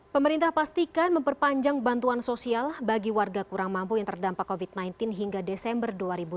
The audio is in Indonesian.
pemerintah pastikan memperpanjang bantuan sosial bagi warga kurang mampu yang terdampak covid sembilan belas hingga desember dua ribu dua puluh